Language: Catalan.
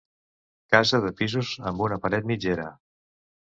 Casa de pisos amb una paret mitgera.